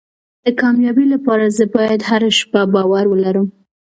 د کامیابۍ لپاره زه باید هره شپه باور ولرم.